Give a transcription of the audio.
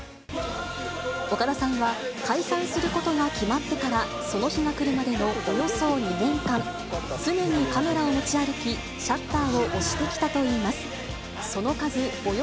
岡田さんは、解散することが決まってからその日が来るまでのおよそ２年間、常にカメラを持ち歩き、シャッターを押してきたといいます。